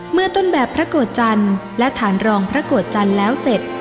เมื่อต้นแบบพระโกรธจันทร์และฐานรองพระโกรธจันทร์แล้วเสร็จ